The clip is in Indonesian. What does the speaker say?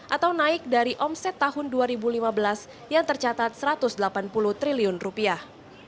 atau naik dari omset tahun dua ribu lima belas yang tercatat satu ratus delapan puluh triliun rupiah